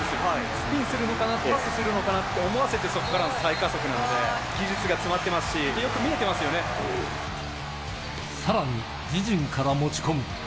スピンするのかな、パスするのかなと思わせて、そこから再加速なので、技術が詰まってますし、さらに、自陣から持ち込む。